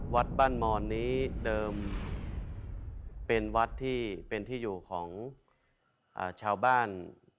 วัดบ้านมอนนี้เดิมเป็นวัดที่เป็นที่อยู่ของชาวบ้าน